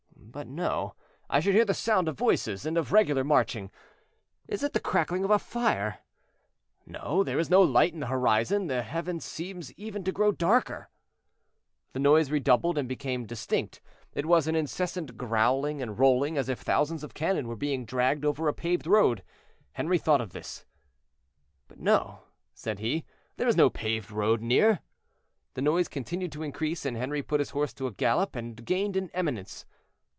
But no; I should hear the sound of voices and of regular marching. Is it the crackling of a fire? No, there is no light in the horizon; the heaven seems even to grow darker." The noise redoubled and became distinct; it was an incessant growling and rolling, as if thousands of cannon were being dragged over a paved road. Henri thought of this. "But no," said he, "there is no paved road near." The noise continued to increase, and Henri put his horse to the gallop and gained an eminence.